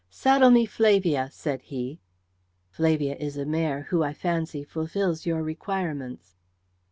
"Saddle me Flavia," said he. "Flavia is a mare who, I fancy, fulfils your requirements."